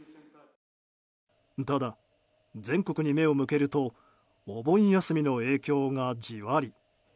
ただ全国に目を向けるとお盆休みの影響が、じわり。